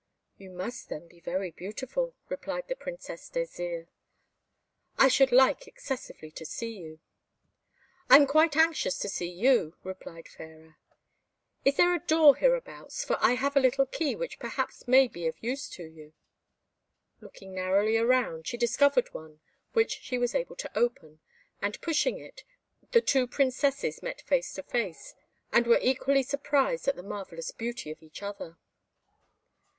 "You must, then, be very beautiful," replied the Princess Désirs; "I should like excessively to see you." "I am quite as anxious to see you," replied Fairer. "Is there a door hereabouts, for I have a little key which perhaps may be of use to you." Looking narrowly round, she discovered one which she was able to open, and pushing it, the two Princesses met face to face, and were equally surprised at the marvellous beauty of each other.